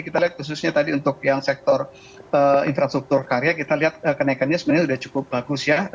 kita lihat khususnya tadi untuk yang sektor infrastruktur karya kita lihat kenaikannya sebenarnya sudah cukup bagus ya